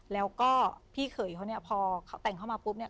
แล้วก็พี่เขยเขาเนี่ยพอเขาแต่งเข้ามาปุ๊บเนี่ย